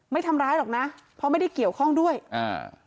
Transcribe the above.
ไม่ทำร้ายหรอกนะเพราะไม่ได้เกี่ยวข้องด้วยอ่า